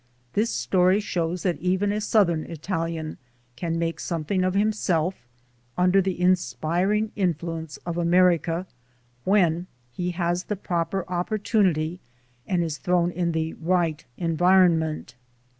This story shows that even a southern Italian can make something of himself under the inspiring influence of America, when he has the proper opportunity and is thrown in the right environment.